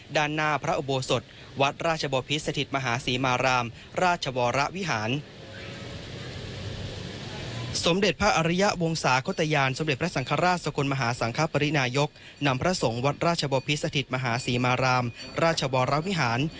ด่าหน้าพระอบโศตบุรุษวัทรเจ้าบอนวัดราชบ่อพิศสถิตฑ์มหาศีมารามราชบรวะวิหาร